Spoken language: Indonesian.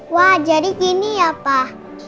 wah jadi gini ya pak